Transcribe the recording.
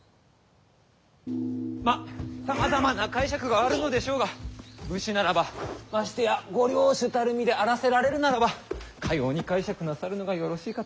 まっさまざまな解釈があるのでしょうが武士ならばましてやご領主たる身であらせられるならばかように解釈なさるのがよろしいかと。